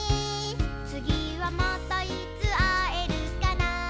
「つぎはまたいつあえるかな」